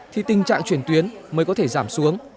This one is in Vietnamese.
thì tình trạng chuyển tuyến mới có thể giảm xuống